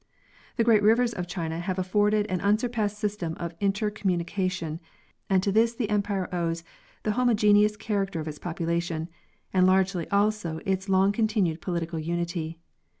The great rivers of China have afforded an unsurpassed system of inter communication, and to this the empire owes the homo geneous character of its population, and largely also its long continued political unity.